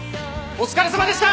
お疲れさまでした！